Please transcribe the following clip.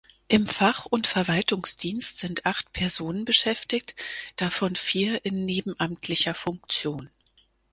Im Fach- und Verwaltungsdienst sind acht Personen beschäftigt, davon vier in nebenamtlicher Funktion.